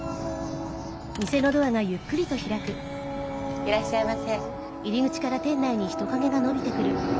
いらっしゃいませ。